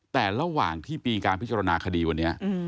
แต่ระหว่างที่มีการพิจารณาคดีวันนี้